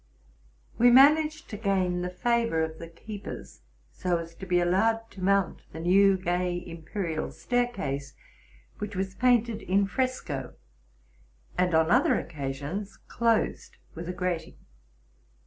We managed to gain the favor of the keep ers, so as to be allowed to mount the new gay imperial stair case, which was painted in fresco, and on other occasions closed with a grating.